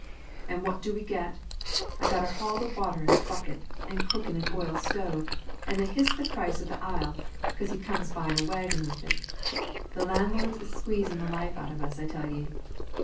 "And what do we get? I gotter haul the water in a bucket, and cook on an oil stove, and they hists the price of the ile, 'cause he comes by in a wagon with it. The landlords is squeezing the life out of us, I tell ye."